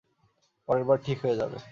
পরেরবার ঠিক হয়ে যাবে।